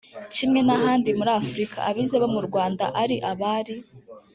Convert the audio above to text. kimwe n ahandi muri afurika abize bo mu rwanda ari abari